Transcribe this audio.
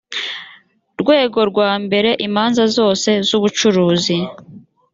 rwego rwa mbere imanza zose z’ubucuruzi